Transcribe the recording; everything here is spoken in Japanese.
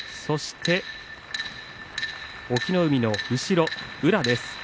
そして隠岐の海の後ろ宇良です。